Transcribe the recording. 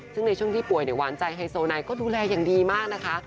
ซึ่งในช่วงที่ป่วยเนี่ยหวานใจไฮโซไนก็ดูแลอย่างดีมากนะคะ